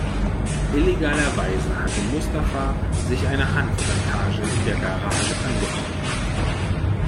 Illegalerweise hatte Mustafa sich eine Hanfplantage in der Garage angebaut.